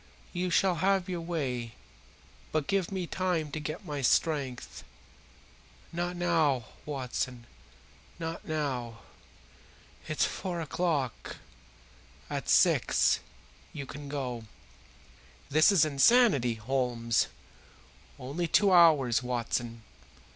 You shall have your way, but give me time to get my strength. Not now, Watson, not now. It's four o'clock. At six you can go." "This is insanity, Holmes." "Only two hours, Watson.